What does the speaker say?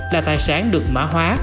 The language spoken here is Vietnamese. là tài sản được mã hóa